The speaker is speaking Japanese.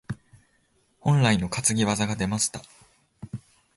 本来の担ぎ技が出ました。